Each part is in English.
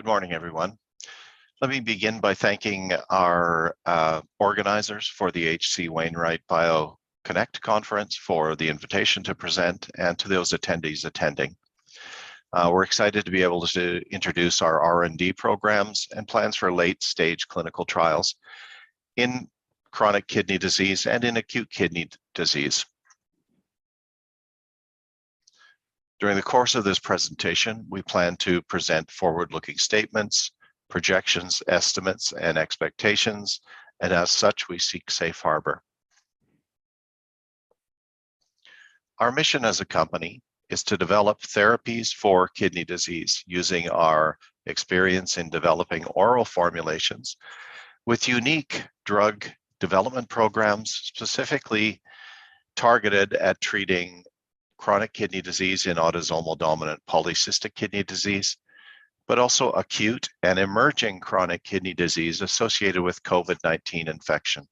Good morning, everyone. Let me begin by thanking our organizers for the H.C. Wainwright BioConnect Conference for the invitation to present and to those attendees attending. We're excited to be able to introduce our R&D programs and plans for late-stage clinical trials in chronic kidney disease and in acute kidney disease. During the course of this presentation, we plan to present forward-looking statements, projections, estimates, and expectations, and as such, we seek safe harbor. Our mission as a company is to develop therapies for kidney disease using our experience in developing oral formulations with unique drug development programs specifically targeted at treating chronic kidney disease and autosomal dominant polycystic kidney disease, but also acute and emerging chronic kidney disease associated with COVID-19 infection.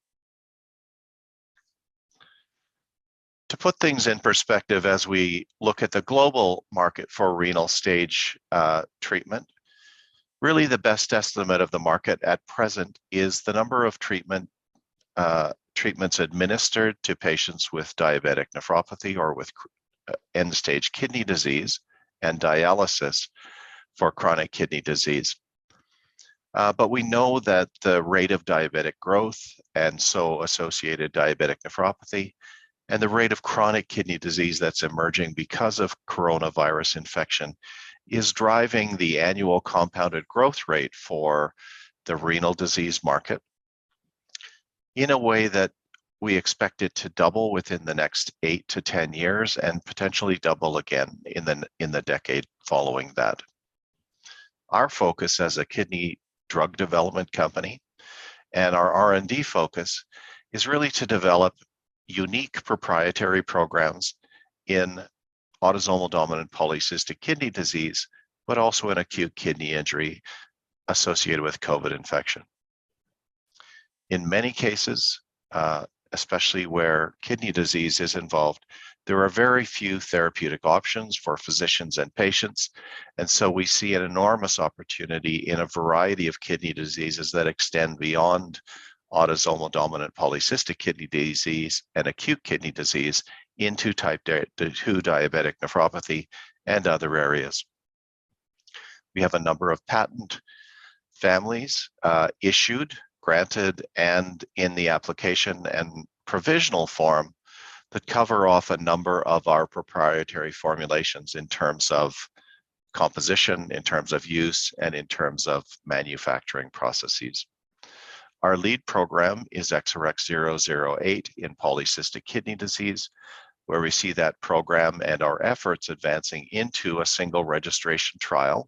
To put things in perspective as we look at the global market for end-stage renal treatment, really the best estimate of the market at present is the number of treatments administered to patients with diabetic nephropathy or with end-stage renal disease and dialysis for chronic kidney disease. We know that the rate of diabetes growth and so associated diabetic nephropathy and the rate of chronic kidney disease that's emerging because of coronavirus infection is driving the compound annual growth rate for the renal disease market in a way that we expect it to double within the next eight to 10 years and potentially double again in the decade following that. Our focus as a kidney drug development company and our R&D focus is really to develop unique proprietary programs in autosomal dominant polycystic kidney disease, but also in acute kidney injury associated with COVID infection. In many cases, especially where kidney disease is involved, there are very few therapeutic options for physicians and patients, and so we see an enormous opportunity in a variety of kidney diseases that extend beyond autosomal dominant polycystic kidney disease and acute kidney disease into type two diabetic nephropathy and other areas. We have a number of patent families, issued, granted, and in the application and provisional form that cover off a number of our proprietary formulations in terms of composition, in terms of use, and in terms of manufacturing processes. Our lead program is XRx-008 in polycystic kidney disease, where we see that program and our efforts advancing into a single registration trial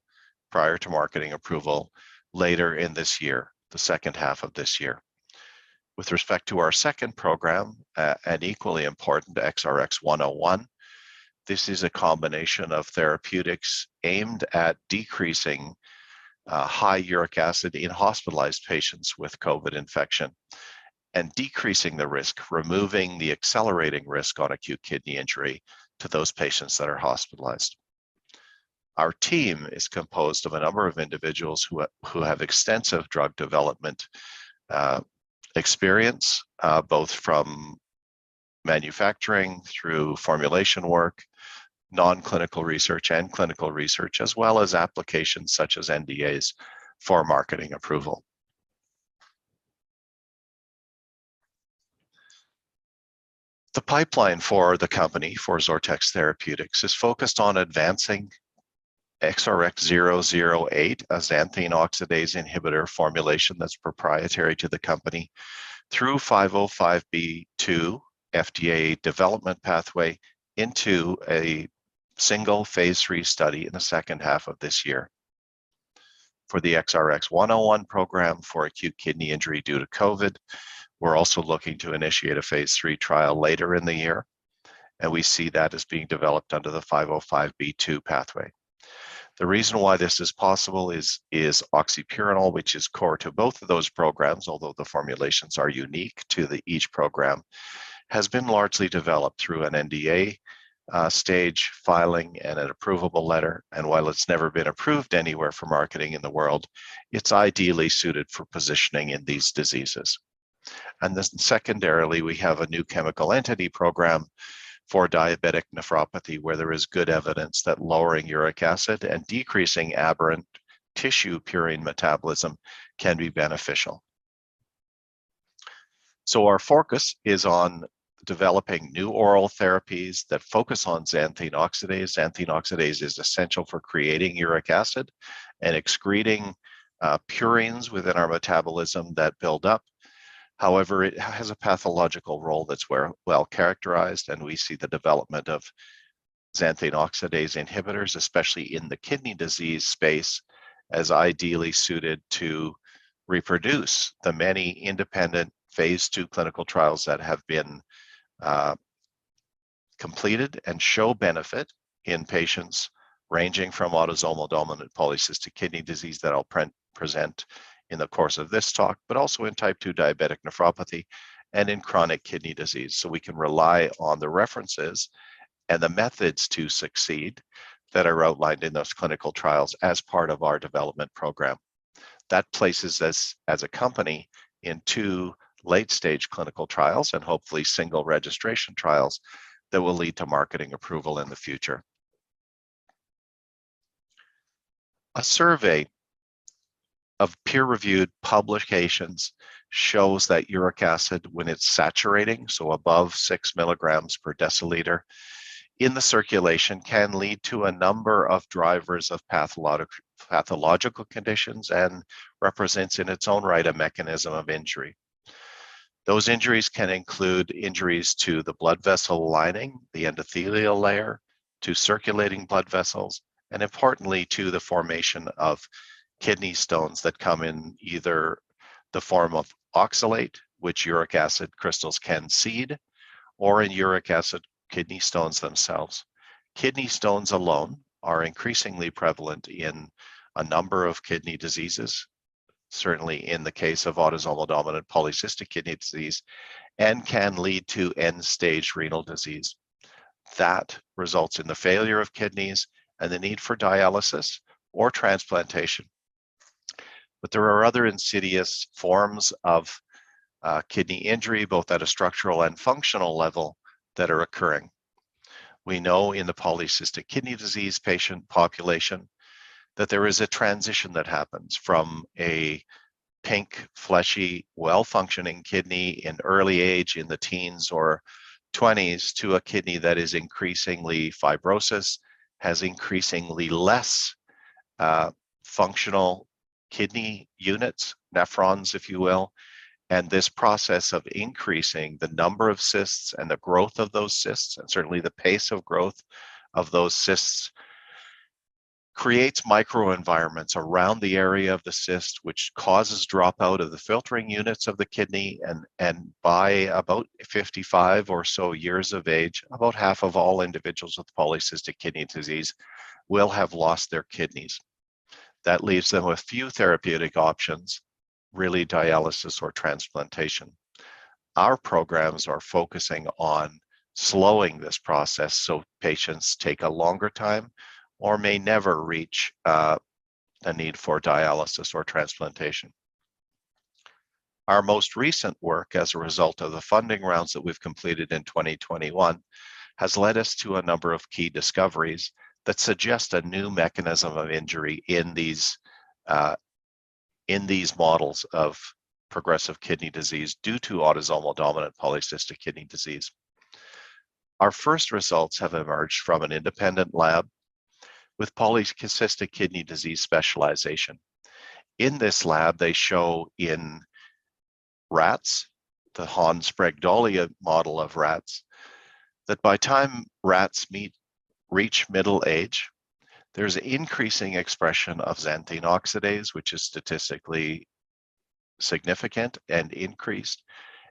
prior to marketing approval later in this year, the H2 of this year. With respect to our second program, and equally important, XRx-101, this is a combination of therapeutics aimed at decreasing high uric acid in hospitalized patients with COVID infection and decreasing the risk, removing the accelerating risk on acute kidney injury to those patients that are hospitalized. Our team is composed of a number of individuals who have extensive drug development experience, both from manufacturing through formulation work, non-clinical research and clinical research, as well as applications such as NDAs for marketing approval. The pipeline for the company, for XORTX Therapeutics, is focused on advancing XRx-008, a xanthine oxidase inhibitor formulation that's proprietary to the company, through 505(b)(2) FDA development pathway into a single phase III study in the H2 of this year. For the XRx-101 program for acute kidney injury due to COVID, we're also looking to initiate a phase III trial later in the year, and we see that as being developed under the 505(b)(2) pathway. The reason why this is possible is oxypurinol which is core to both of those programs, although the formulations are unique to each program, has been largely developed through an NDA stage filing and an approvable letter. While it's never been approved anywhere for marketing in the world, it's ideally suited for positioning in these diseases. Secondarily, we have a new chemical entity program for diabetic nephropathy where there is good evidence that lowering uric acid and decreasing aberrant tissue purine metabolism can be beneficial. Our focus is on developing new oral therapies that focus on xanthine oxidase. Xanthine oxidase is essential for creating uric acid and excreting purines within our metabolism that build up. However, it has a pathological role that's well characterized, and we see the development of xanthine oxidase inhibitors, especially in the kidney disease space, as ideally suited to reproduce the many independent phase II clinical trials that have been completed and show benefit in patients ranging from autosomal dominant polycystic kidney disease that I'll present in the course of this talk, but also in type 2 diabetic nephropathy and in chronic kidney disease. We can rely on the references and the methods to succeed that are outlined in those clinical trials as part of our development program. That places us as a company in two late-stage clinical trials and hopefully single registration trials that will lead to marketing approval in the future. A survey of peer-reviewed publications shows that uric acid when it's saturating, so above six mg per deciliter in the circulation, can lead to a number of drivers of pathological conditions and represents in its own right a mechanism of injury. Those injuries can include injuries to the blood vessel lining, the endothelial layer to circulating blood vessels, and importantly, to the formation of kidney stones that come in either the form of oxalate, which uric acid crystals can seed, or in uric acid kidney stones themselves. Kidney stones alone are increasingly prevalent in a number of kidney diseases, certainly in the case of autosomal dominant polycystic kidney disease, and can lead to end-stage renal disease that results in the failure of kidneys and the need for dialysis or transplantation. There are other insidious forms of kidney injury, both at a structural and functional level that are occurring. We know in the polycystic kidney disease patient population that there is a transition that happens from a pink, fleshy, well-functioning kidney in early age in the teens or twenties to a kidney that is increasingly fibrosis, has increasingly less functional kidney units, nephrons, if you will. This process of increasing the number of cysts and the growth of those cysts, and certainly the pace of growth of those cysts, creates microenvironments around the area of the cyst, which causes dropout of the filtering units of the kidney. By about 55 or so years of age, about half of all individuals with polycystic kidney disease will have lost their kidneys. That leaves them with few therapeutic options, really dialysis or transplantation. Our programs are focusing on slowing this process, so patients take a longer time or may never reach a need for dialysis or transplantation. Our most recent work as a result of the funding rounds that we've completed in 2021 has led us to a number of key discoveries that suggest a new mechanism of injury in these, in these models of progressive kidney disease due to autosomal dominant polycystic kidney disease. Our first results have emerged from an independent lab with polycystic kidney disease specialization. In this lab, they show in rats the Han:SPRD model of rats that by the time rats reach middle age, there's increasing expression of xanthine oxidase, which is statistically significant and increased,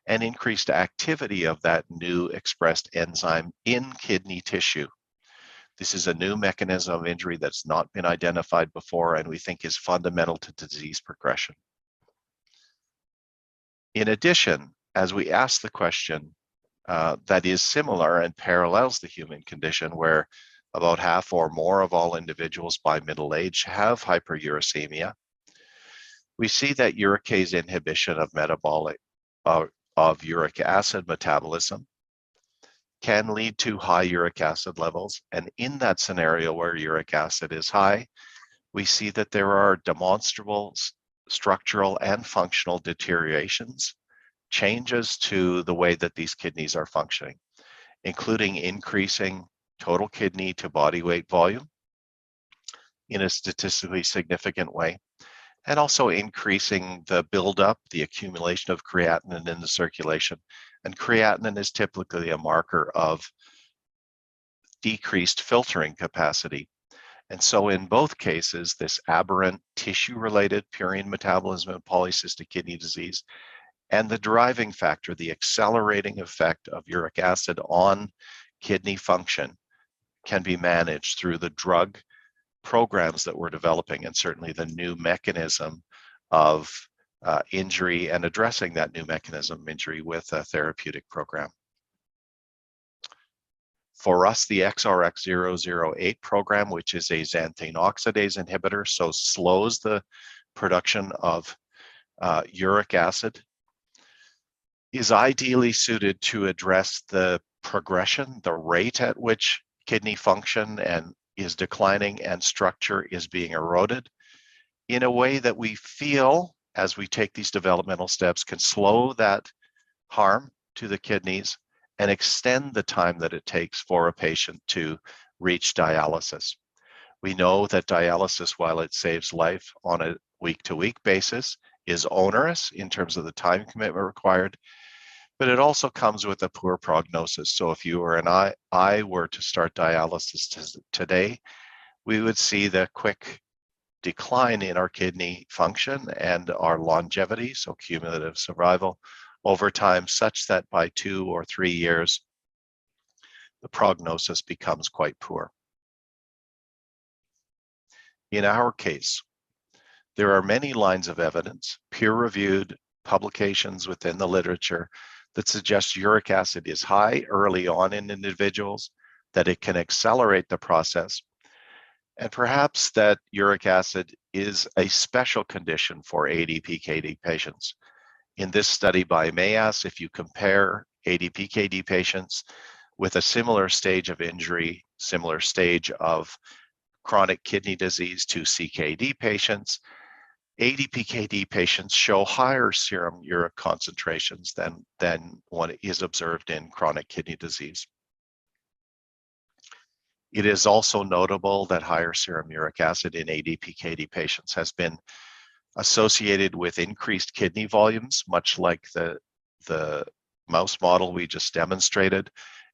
and increased activity of that new expressed enzyme in kidney tissue. This is a new mechanism of injury that's not been identified before and we think is fundamental to disease progression. In addition, as we ask the question that is similar and parallels the human condition, where about half or more of all individuals by middle age have hyperuricemia, we see that uricase inhibition of uric acid metabolism can lead to high uric acid levels. In that scenario where uric acid is high, we see that there are demonstrable structural and functional deteriorations, changes to the way that these kidneys are functioning, including increasing total kidney to body weight volume in a statistically significant way, and also increasing the buildup, the accumulation of creatinine in the circulation. Creatinine is typically a marker of decreased filtering capacity. In both cases, this aberrant tissue-related purine metabolism in polycystic kidney disease and the driving factor, the accelerating effect of uric acid on kidney function, can be managed through the drug programs that we're developing and certainly the new mechanism of injury and addressing that new mechanism of injury with a therapeutic program. For us, the XRx-008 program, which is a xanthine oxidase inhibitor, so slows the production of uric acid, is ideally suited to address the progression, the rate at which kidney function is declining and structure is being eroded in a way that we feel as we take these developmental steps, can slow that harm to the kidneys and extend the time that it takes for a patient to reach dialysis. We know that dialysis while it saves life on a week-to-week basis, is onerous in terms of the time commitment required, but it also comes with a poor prognosis. If you or I were to start dialysis today, we would see the quick decline in our kidney function and our longevity, so cumulative survival over time, such that by two or three years, the prognosis becomes quite poor. In our case, there are many lines of evidence, peer-reviewed publications within the literature that suggest uric acid is high early on in individuals, that it can accelerate the process, perhaps that uric acid is a special condition for ADPKD patients. In this study by Mejias, if you compare ADPKD patients with a similar stage of injury, similar stage of chronic kidney disease to CKD patients, ADPKD patients show higher serum uric concentrations than what is observed in chronic kidney disease. It is also notable that higher serum uric acid in ADPKD patients has been associated with increased kidney volumes, much like the mouse model we just demonstrated,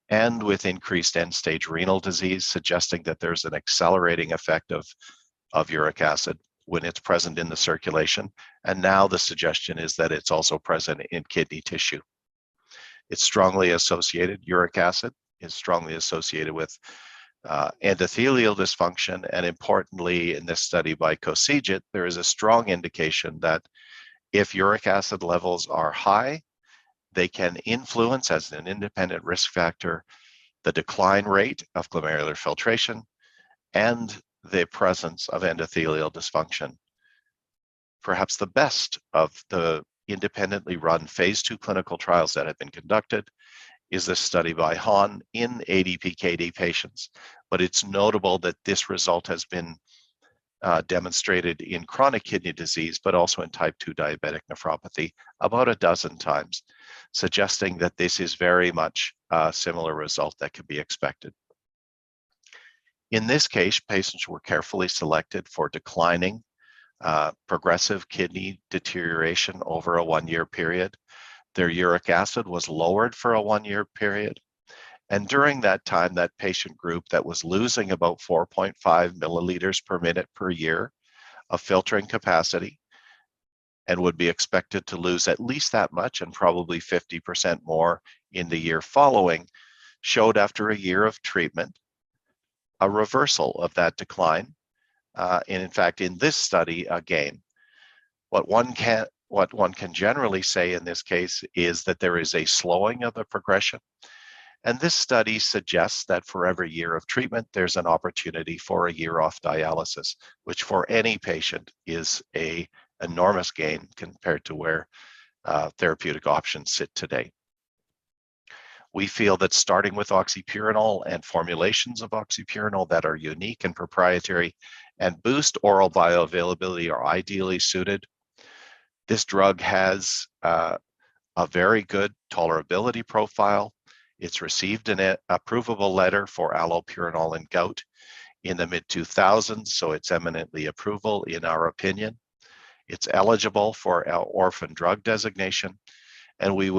and with increased end-stage renal disease, suggesting that there's an accelerating effect of uric acid when it's present in the circulation. Now the suggestion is that it's also present in kidney tissue. Uric acid is strongly associated with endothelial dysfunction, and importantly in this study by Kocyigit, there is a strong indication that if uric acid levels are high, they can influence as an independent risk factor the decline rate of glomerular filtration and the presence of endothelial dysfunction. Perhaps the best of the independently run phase II clinical trials that have been conducted is this study by Han in ADPKD patients. It's notable that this result has been demonstrated in chronic kidney disease but also in type 2 diabetic nephropathy about a dozen times, suggesting that this is very much a similar result that could be expected. In this case, patients were carefully selected for declining progressive kidney deterioration over a one-year period. Their uric acid was lowered for a one-year period. During that time, that patient group that was losing about 4.5 mL/min/year of filtering capacity and would be expected to lose at least that much and probably 50% more in the year following showed after a year of treatment a reversal of that decline. In fact, in this study, again, what one can generally say in this case is that there is a slowing of the progression. This study suggests that for every year of treatment, there's an opportunity for a year off dialysis, which for any patient is an enormous gain compared to where therapeutic options sit today. We feel that starting with oxypurinol and formulations of oxypurinol that are unique and proprietary and boost oral bioavailability are ideally suited. This drug has a very good tolerability profile. It has received an approvable letter for allopurinol in gout in the mid-2000s, so it's eminently approvable in our opinion. It's eligible for orphan drug designation, and we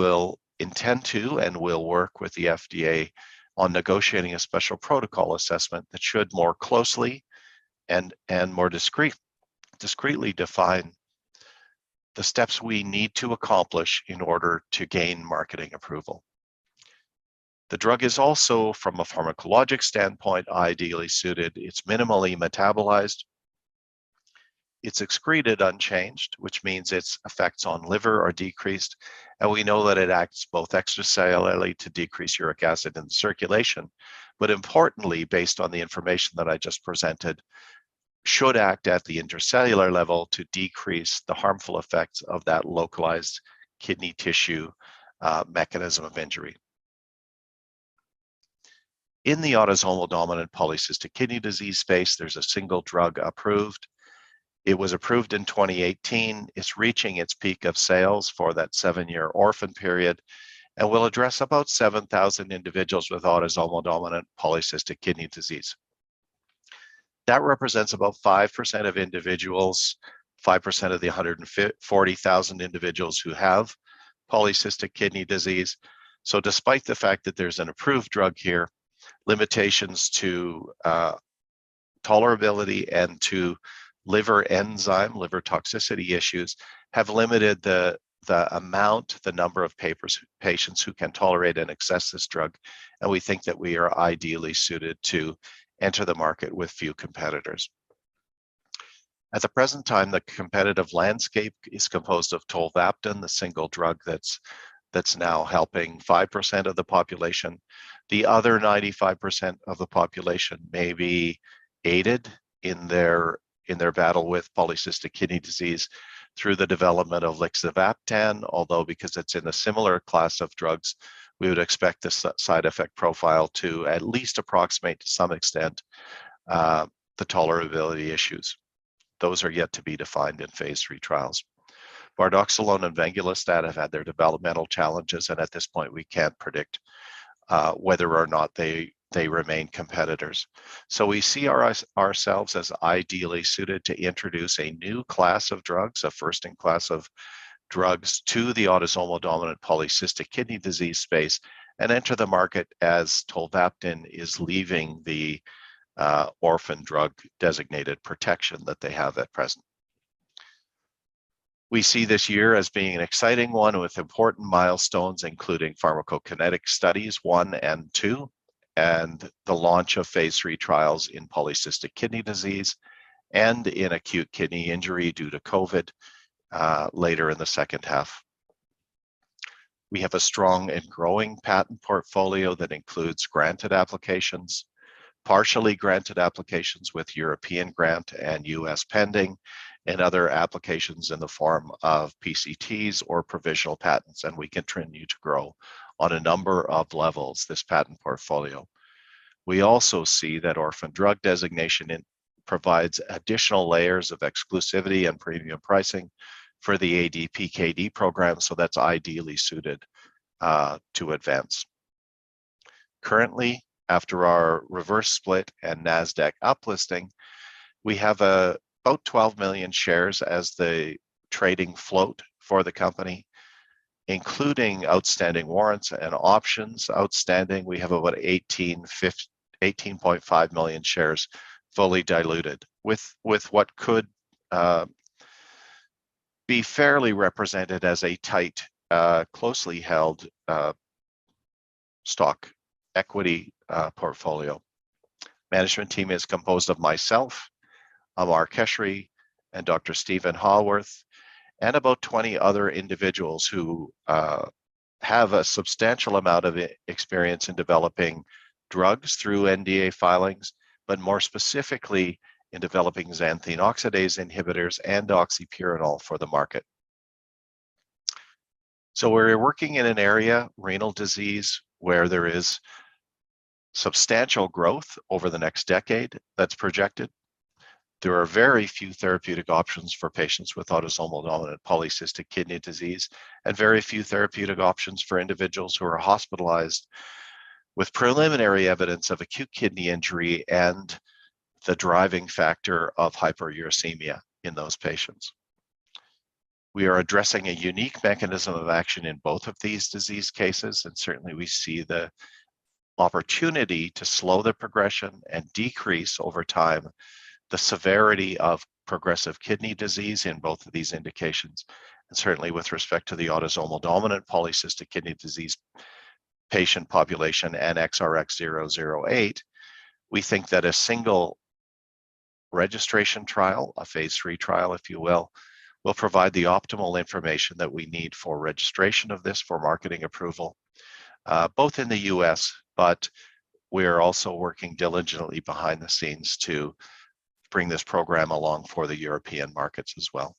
will work with the FDA on negotiating a special protocol assessment that should more closely and more discreetly define the steps we need to accomplish in order to gain marketing approval. The drug is also, from a pharmacologic standpoint, ideally suited. It's minimally metabolized. It's excreted unchanged, which means its effects on liver are decreased. We know that it acts both extracellularly to decrease uric acid in circulation. Importantly, based on the information that I just presented, it should act at the intercellular level to decrease the harmful effects of that localized kidney tissue mechanism of injury. In the autosomal dominant polycystic kidney disease space, there's a single drug approved. It was approved in 2018. It's reaching its peak of sales for that seven-year orphan period and will address about 7,000 individuals with autosomal dominant polycystic kidney disease. That represents about 5% of individuals, 5% of the 140,000 individuals who have polycystic kidney disease. Despite the fact that there's an approved drug here, limitations to tolerability and to liver enzyme liver toxicity issues have limited the number of patients who can tolerate and access this drug. We think that we are ideally suited to enter the market with few competitors. At the present time, the competitive landscape is composed of tolvaptan, the single drug that's now helping 5% of the population. The other 95% of the population may be aided in their battle with polycystic kidney disease through the development of lixivaptan. Although because it's in a similar class of drugs, we would expect this side effect profile to at least approximate to some extent the tolerability issues. Those are yet to be defined in phase III trials. Bardoxolone and venglustat have had their developmental challenges, and at this point, we can't predict whether or not they remain competitors. We see ourselves as ideally suited to introduce a new class of drugs, a first-in-class of drugs to the autosomal dominant polycystic kidney disease space and enter the market as tolvaptan is leaving the orphan drug designated protection that they have at present. We see this year as being an exciting one with important milestones, including pharmacokinetic studies one and two, and the launch of phase III trials in polycystic kidney disease and in acute kidney injury due to COVID later in the H2. We have a strong and growing patent portfolio that includes granted applications, partially granted applications with European grant and U.S. pending, and other applications in the form of PCTs or provisional patents, and we continue to grow on a number of levels, this patent portfolio. We also see that orphan drug designation provides additional layers of exclusivity and premium pricing for the ADPKD program, so that's ideally suited to advance. Currently, after our reverse split and Nasdaq uplisting, we have about 12 million shares as the trading float for the company, including outstanding warrants and options outstanding. We have about 18.5 million shares fully diluted with what could be fairly represented as a tight closely held stock equity portfolio. Management team is composed of myself, Allen Davidoff, and Dr. Stephen Haworth, and about 20 other individuals who have a substantial amount of experience in developing drugs through NDA filings, but more specifically in developing xanthine oxidase inhibitors and oxypurinol for the market. We're working in an area, renal disease, where there is substantial growth over the next decade that's projected. There are very few therapeutic options for patients with autosomal dominant polycystic kidney disease, and very few therapeutic options for individuals who are hospitalized with preliminary evidence of acute kidney injury and the driving factor of hyperuricemia in those patients. We are addressing a unique mechanism of action in both of these disease cases, and certainly we see the opportunity to slow the progression and decrease over time the severity of progressive kidney disease in both of these indications. Certainly with respect to the autosomal dominant polycystic kidney disease patient population and XRx-008, we think that a single registration trial, a phase III trial, if you will provide the optimal information that we need for registration of this for marketing approval, both in the U.S., but we're also working diligently behind the scenes to bring this program along for the European markets as well.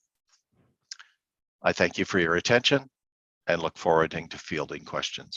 I thank you for your attention and look forward to fielding questions.